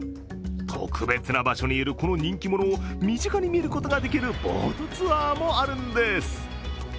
特別な場所にいるこの人気者を身近に見ることが出来るボートツアーもあるんです。